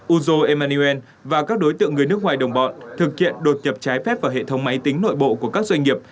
uzo emmanuel và các đối tượng người nước ngoài đồng bọn thực hiện đột nhập trái phép vào hệ thống máy tính nội bộ của các doanh nghiệp